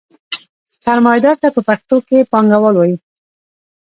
سرمایدار ته پښتو کې پانګوال وايي.